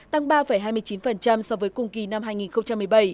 tăng ba hai mươi chín so với cùng kỳ năm hai nghìn một mươi bảy